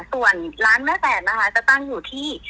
ส่วนร้านแม่แตกนะคะจะตั้งอยู่ที่